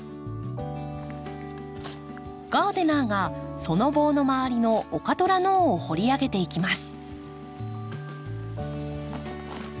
ガーデナーがその棒の周りのオカトラノオを掘り上げていきます。